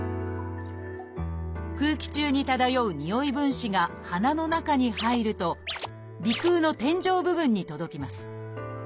空気中に漂うにおい分子が鼻の中に入ると鼻腔の天井部分に届きます。